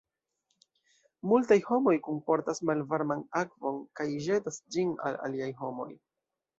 Multaj homoj kunportas malvarman akvon kaj ĵetas ĝin al aliaj homoj.